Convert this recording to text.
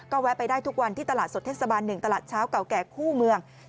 แวะไปได้ทุกวันที่ตลาดสดเทศบาล๑ตลาดเช้าเก่าแก่คู่เมือง